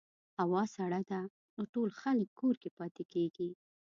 هوا سړه ده، نو ټول خلک کور کې پاتې کېږي.